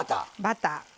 バター。